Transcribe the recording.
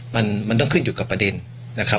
มันต้องขึ้นอยู่กับประเด็นนะครับ